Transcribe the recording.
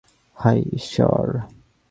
হায়, ঈশ্বর।